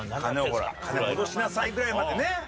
「金戻しなさい」ぐらいまでね。